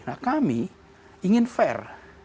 nah kami ingin fair